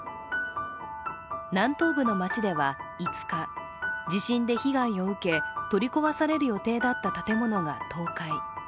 南東部の町では５日、地震で被害を受け取り壊される予定だった建物が倒壊。